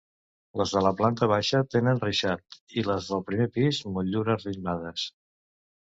Les de la planta baixa tenen reixat, i les del primer pis, motllures ritmades.